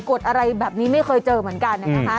ดอะไรแบบนี้ไม่เคยเจอเหมือนกันนะคะ